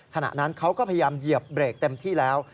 ขณะนั้นเขาก็พยายามเหยียบเบรกเต็มที่แล้ว